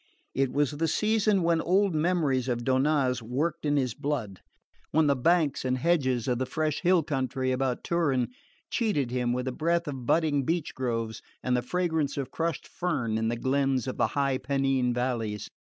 It was the season when old memories of Donnaz worked in his blood; when the banks and hedges of the fresh hill country about Turin cheated him with a breath of budding beech groves and the fragrance of crushed fern in the glens of the high Pennine valleys.